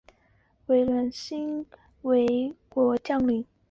其子阮文馨为越南国军将领。